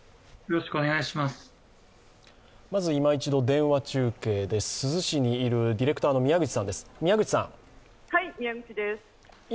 いま一度、電話中継です、珠洲市にいるディレクターの宮口さんです。